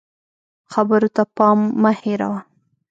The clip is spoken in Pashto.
خبرو ته پام مه هېروه